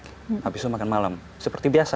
habis itu makan malam seperti biasa